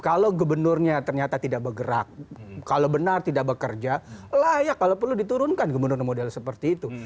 kalau gubernurnya ternyata tidak bergerak kalau benar tidak bekerja layak kalau perlu diturunkan gubernur model seperti itu